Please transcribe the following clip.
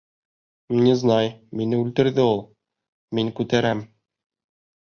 Незнай, мине үлтерҙе ул. Мин күтәрәм!